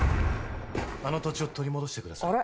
あの土地を取り戻してください。